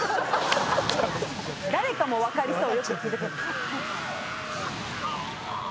誰かも分かりそう。